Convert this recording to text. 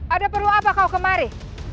ada perlu apa kau kemari